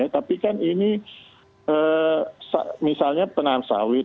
tapi kan ini misalnya penahan sawit